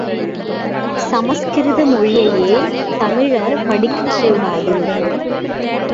சமஸ்கிருத மொழியையே தமிழர் படிக்கக் கூடாது.